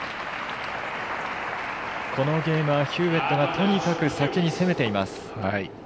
このゲームはヒューウェットがとにかく先に攻めています。